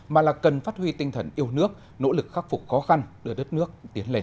mà là cần phát huy tinh thần yêu nước nỗ lực khắc phục khó khăn đưa đất nước tiến lên